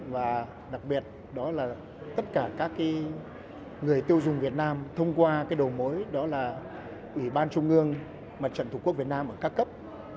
và đặc biệt đó là tất cả các người tiêu dùng việt nam thông qua cái đầu mối đó là ủy ban trung ương mặt trận thủ quốc việt nam ở các cấp